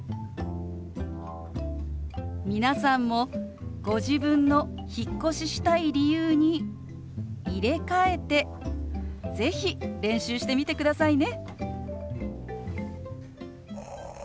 皆さんもご自分の引っ越ししたい理由に入れ替えて是非練習してみてくださいね。